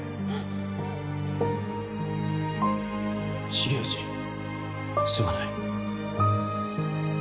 重藤すまない。